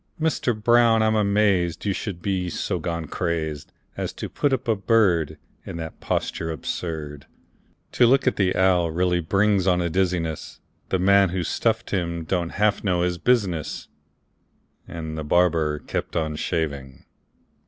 Mister Brown, I'm amazed You should be so gone crazed As to put up a bird In that posture absurd! To look at that owl really brings on a dizziness; The man who stuffed him don't half know his business!" And the barber kept on shaving.